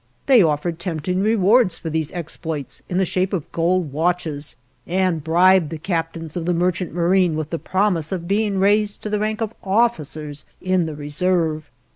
They offered tempting rewards for these exploits in the shape of gold watches, and bribed the captains of the merchant marine with the promise of being raised to the rank of officers in the Reserve.